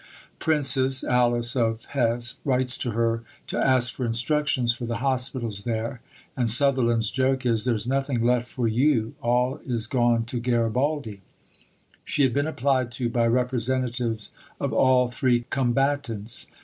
Princess [Alice of] Hesse writes to her to ask for instructions for the hospitals there, and Sutherland's joke is 'There's nothing left for you, all is gone to Garibaldi.'" She had been applied to by representatives of all three combatants.